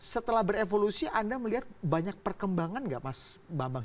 setelah berevolusi anda melihat banyak perkembangan nggak mas bambang